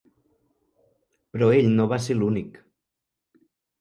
Però ell no va ser l'únic.